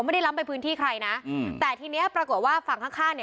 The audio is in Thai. ล้ำไปพื้นที่ใครนะอืมแต่ทีเนี้ยปรากฏว่าฝั่งข้างข้างเนี่ย